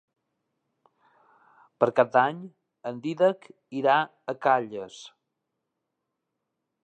Per Cap d'Any en Dídac irà a Calles.